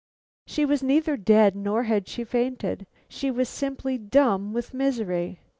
She was neither dead nor had she fainted; she was simply dumb with misery.